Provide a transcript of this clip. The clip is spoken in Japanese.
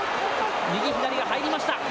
右、左が入りました。